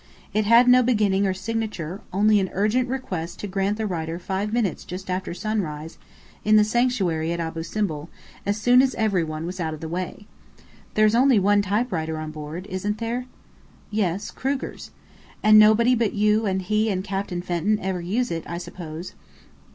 It had no beginning or signature, only an urgent request to grant the writer five minutes just after sunrise, in the sanctuary at Abu Simbel, as soon as every one was out of the way. There's only one typewriter on board, isn't there?" "Yes, Kruger's." "And nobody but you and he and Captain Fenton ever use it, I suppose?"